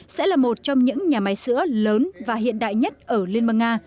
sẽ là một trong những nhà máy sữa lớn và hiện đại nhất ở liên bang nga